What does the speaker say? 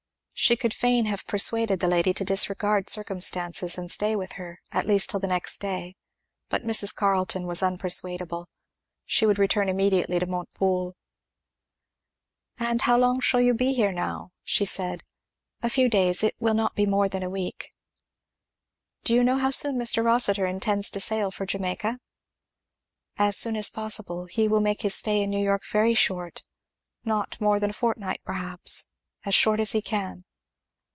She could fain have persuaded the lady to disregard circumstances and stay with her, at least till the next day, but Mrs. Carleton was unpersuadable. She would return immediately to Montepoole. "And how long shall you be here now?" she said. "A few days it will not be more than a week." "Do you know how soon Mr. Rossitur intends to sail for Jamaica?" "As soon as possible he will make his stay in New York very short not more than a fortnight perhaps, as short as he can."